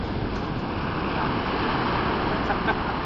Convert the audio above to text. Europako Berpizkundeko musikari gorenetako bat izan zen.